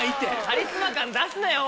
カリスマ感出すなよ